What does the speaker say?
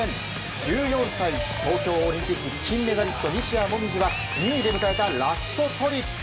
１４歳、東京オリンピック金メダリストの西矢椛は２位で迎えたラストトリック。